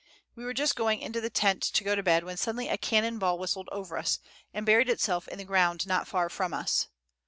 We were just going into the tent to go to bed when suddenly a cannon ball whistled over us, and buried itself in the ground not far from us.